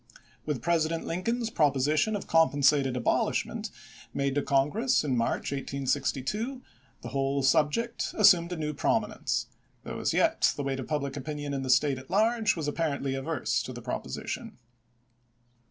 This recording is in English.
With President Lincoln's proposition of compensated abolishment, made to Congress in March, 1862, the whole subject assumed a new prominence; though as yet the weight of public opinion in the State at large was apparently averse to the proposition.